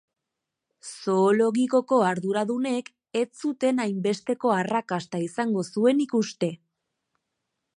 Zoologikoko arduradunek ez zuten hainbesteko arrakasta izango zuenik uste.